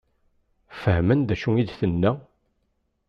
Fehmen d acu i d-tenna?